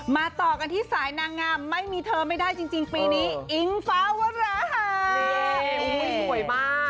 ต่อกันที่สายนางงามไม่มีเธอไม่ได้จริงปีนี้อิงฟ้าวราหาสวยมาก